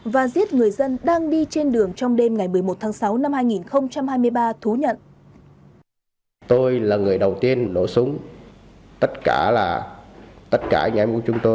và giết người dân đang đi trên đường trong đêm ngày một mươi một tháng sáu năm hai nghìn hai mươi ba thú nhận